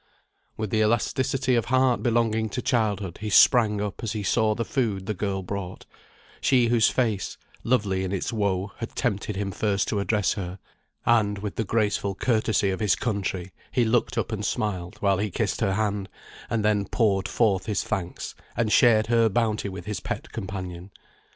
With the elasticity of heart belonging to childhood he sprang up as he saw the food the girl brought; she whose face, lovely in its woe, had tempted him first to address her; and, with the graceful courtesy of his country, he looked up and smiled while he kissed her hand, and then poured forth his thanks, and shared her bounty with his little pet companion.